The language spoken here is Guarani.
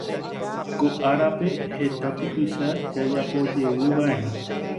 Ko árape heta typycha jajapojeyvaʼerã.